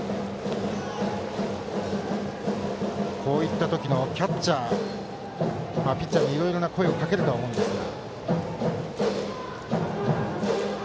こういった時のキャッチャーピッチャーにいろいろな声をかけると思いますが。